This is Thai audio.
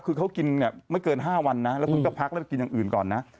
คือเขากินเนี่ยไม่เกิน๕วันนะแล้วคุณก็พักแล้วไปกินอย่างอื่นก่อนนะ